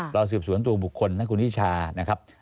เราสืบสวนตัวบุคคลทั้งคุณนิชานะครับ